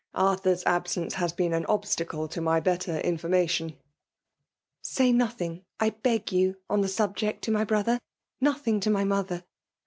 Alrthur*8 absence has been an obstacle to my better information.'^ '^ Say nothing, I beg you, on the subject to 9xy brother — nothing to my mother.